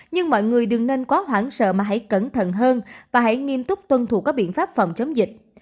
nhưng mọi người đừng nên quá hoảng sợ mà hãy cẩn thận hơn và hãy nghiêm túc tuân thủ các biện pháp phòng chống dịch